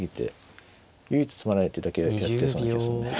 唯一詰まない手だけやっちゃいそうな気がするね。